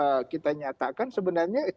sebenarnya tidak akan terjadi hukuman mati